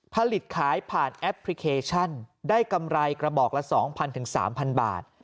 ผลิตขายผ่านแอปพลิเคชันได้กำไรกระบอกละ๒๐๐๓๐๐บาท